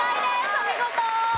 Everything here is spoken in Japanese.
お見事！